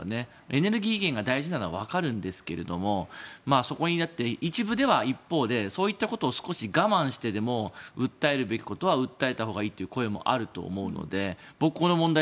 エネルギー源が大事なのは分かるんですけど一方で、そういったことを少し我慢してでも訴えるべきことは訴えたほうがいいという声もあると思うので僕、この問題